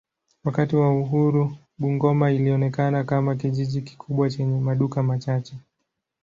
Wakati wa uhuru Bungoma ilionekana kama kijiji kikubwa chenye maduka machache.